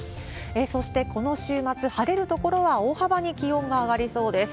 そしてこの週末、晴れる所は大幅に気温が上がりそうです。